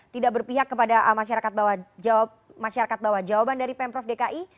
tidak berpihak kepada masyarakat bawah jawaban dari pemprov dki